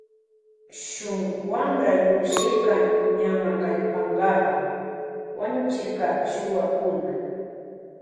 Shun wampra llukshirka ñanma kallpankapa wañuchirka shuwakuna.